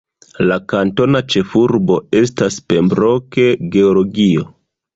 La kantona ĉefurbo estas Pembroke, Georgio.